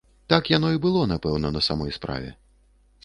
Так яно і было, напэўна, на самой справе.